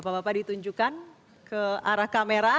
bapak bapak ditunjukkan ke arah kamera